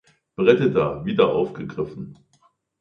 Predator" wieder aufgegriffen.